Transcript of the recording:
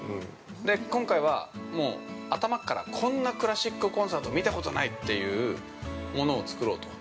で、今回はもう、頭からこんなクラシックコンサート見たことないというものを作ろうと。